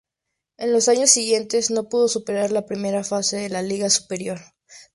En los años siguientes no pudo superar la primera fase de la Liga Superior.